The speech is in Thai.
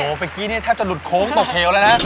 เมื่อกี้นี่แทบจะหลุดโค้งตกเหวแล้วนะ